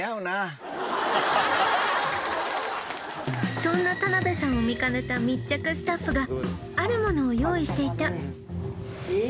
そんな田辺さんを見かねた密着スタッフがあるものを用意していたえ